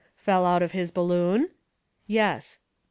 "Fell out of his balloon?" "Yes."